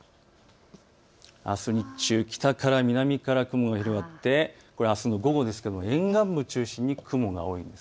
あす日中、北から、南から雲が広がってあすの午後ですけれども沿岸部を中心に雲が多いんです。